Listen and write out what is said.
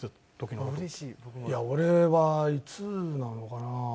「いや俺はいつなのかな？」